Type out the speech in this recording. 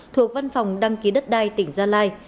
thuộc văn phòng đăng ký đất đai tỉnh gia lai